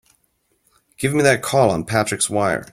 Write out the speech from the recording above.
Give me that call on Patrick's wire!